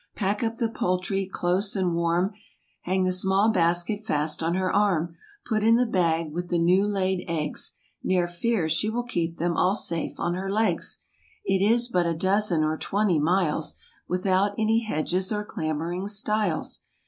Pack up the poultry close and Warm, Hang the small basket fast on her arm, Put in the bag with the new laid eggs; Ne'er fear, she will keep them all safe on her legs. It is but a dozen or twenty miles, Without any hedges or clambering stiles.